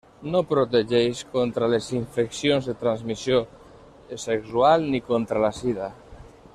No protegeix contra les infeccions de transmissió sexual ni contra la sida.